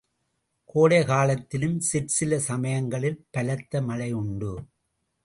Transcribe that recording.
கோடைக்காலத்திலும் சிற்சில சமயங்களில் பலத்த மழையுண்டு.